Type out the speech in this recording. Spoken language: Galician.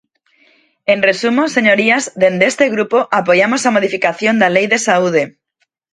En resumo, señorías, dende este grupo apoiamos a modificación da Lei de saúde.